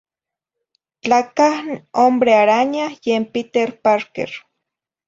Tlacah n Hombre Araña yen Peter Parker.